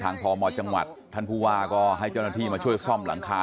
พมจังหวัดท่านผู้ว่าก็ให้เจ้าหน้าที่มาช่วยซ่อมหลังคา